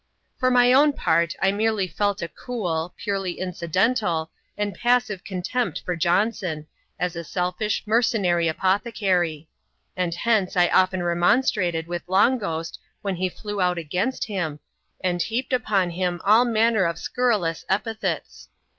For my own part, I merely felt a cool — purely incidental — and passive contempt for Johnson, as a selfish, mercenary apothe cary ; and hence I often remonstrated with Long Ghost when he flew out against him, and heaped upon him all manner of scurrilous epithets.